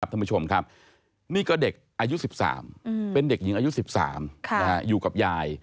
ท่านผู้ชมครับนี่ก็เด็กอายุ๑๓เป็นเด็กหญิงอายุ๑๓อยู่กับยาย